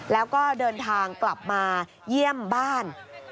แล้วก็เดินทางกลับมาเยี่ยมบ้าน